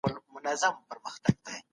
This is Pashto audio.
زړور سرتیری تر بزدله سرتیري ډیر عمر کوي.